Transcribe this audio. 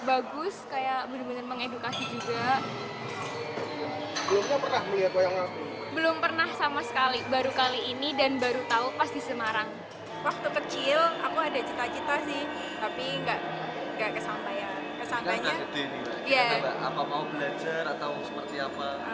apa mau belajar atau seperti apa